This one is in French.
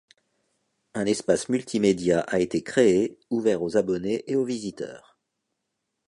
Un espace multimédia a été créé, ouvert aux abonnés et aux visiteurs.